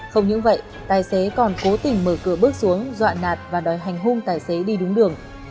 không những vậy tài xế còn cố tình mở cửa bước xuống dọa nạt và đòi hành hung tài xế đi đúng đường